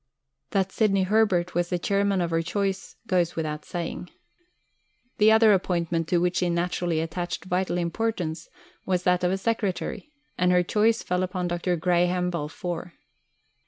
That Sidney Herbert was the Chairman of her choice goes without saying. The other appointment to which she naturally attached vital importance was that of a secretary, and her choice fell upon Dr. Graham Balfour.